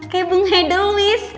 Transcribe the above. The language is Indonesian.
kayak bung hedelwis